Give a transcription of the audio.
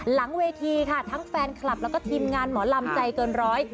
หลังเวทีค่ะทั้งแฟนคลับแล้วก็ทีมงานหมอลำใจเกินร้อย